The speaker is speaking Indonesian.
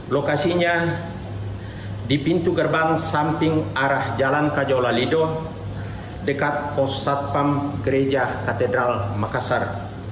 lokasinya di pintu gerbang samping arah jalan kajolalido dekat posat pam gereja katedral makassar